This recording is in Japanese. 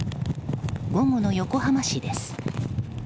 午後の横浜市です。